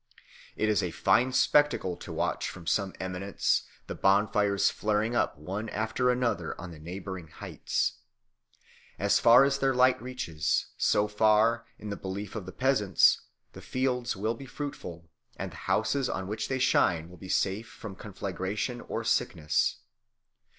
It is a fine spectacle to watch from some eminence the bonfires flaring up one after another on the neighbouring heights. As far as their light reaches, so far, in the belief of the peasants, the fields will be fruitful, and the houses on which they shine will be safe from conflagration or sickness.